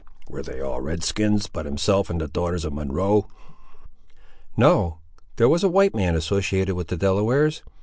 Were they all red skins, but himself and the daughters of Munro?" "No. There was a white man associated with the Delawares.